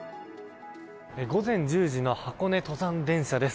午前１０時の箱根登山電車です。